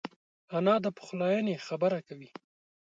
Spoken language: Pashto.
انا د پخلاینې خبره کوي